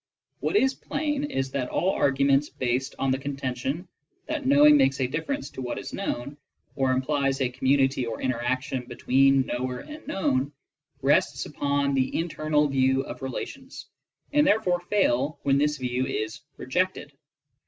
What is plain is that all arguments based on the contention that knowing makes a difference to what is known, or implies a community or interaction between knower and known, rest upon the internal view of relations, and therefore fail when this view is rejected.